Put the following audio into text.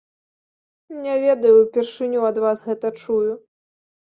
Не ведаю, упершыню ад вас гэта чую.